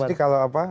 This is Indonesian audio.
jadi kalau apa